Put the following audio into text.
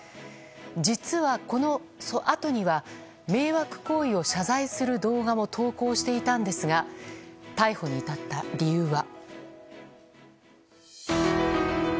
実はこのあとには迷惑行為を謝罪する動画も投稿していたんですが逮捕に至った理由は。